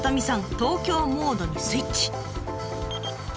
東京モードにスイッチ。